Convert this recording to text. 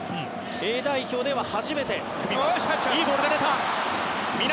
Ａ代表では初めて組みます。